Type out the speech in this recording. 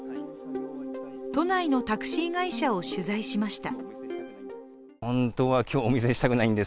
都内のタクシー会社を取材しました。